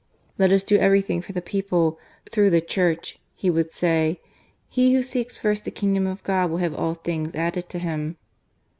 "Let us do everything for the people through the Church," he would say; "he who seeks first the Kingdom of God will have all things added to him."